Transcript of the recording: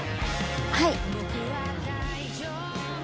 はい。